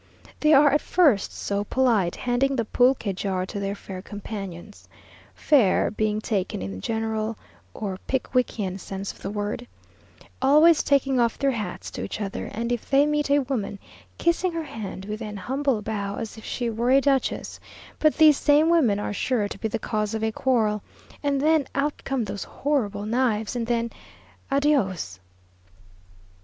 They are at first so polite handing the pulque jar to their fair companions (fair being taken in the general or Pickwickian sense of the word); always taking off their hats to each other, and if they meet a woman, kissing her hand with an humble bow as if she were a duchess; but these same women are sure to be the cause of a quarrel, and then out come these horrible knives and then, _Adios!